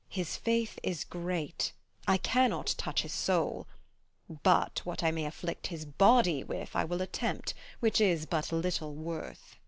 His faith is great; I cannot touch his soul; But what I may afflict his body with I will attempt, which is but little worth.